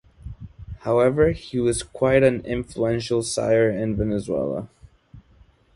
However he was quite an influential sire in Venezuela.